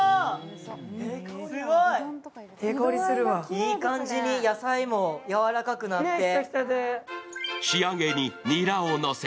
いい感じに野菜もやわらかくなって。